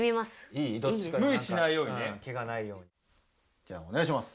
じゃあおねがいします。